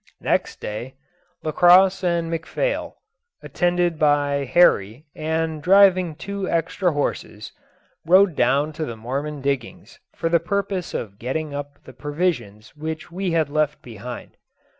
Nest day, Lacosse and McPhail, attended by Horry, and driving two extra horses, rode down to the Mormon diggings, for the purpose of getting up the provisions which we had left behind.